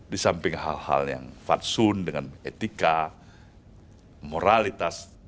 di samping hal hal yang fadsun dengan etika moralitas